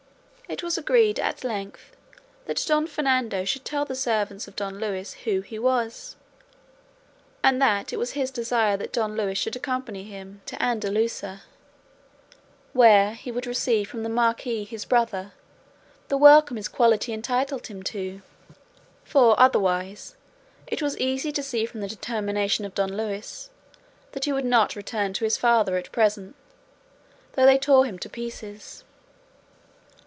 It was agreed at length that Don Fernando should tell the servants of Don Luis who he was, and that it was his desire that Don Luis should accompany him to Andalusia, where he would receive from the marquis his brother the welcome his quality entitled him to; for, otherwise, it was easy to see from the determination of Don Luis that he would not return to his father at present, though they tore him to pieces.